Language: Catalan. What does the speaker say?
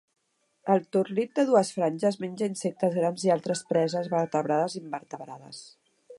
El torlit de dues franges menja insectes grans i altres preses vertebrades i invertebrades.